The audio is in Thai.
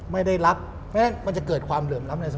ไม่ได้รับไม่ได้มันจะเกิดความเหลื่อมรับชนิดนี้